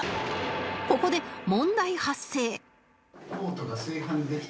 ここで問題発生！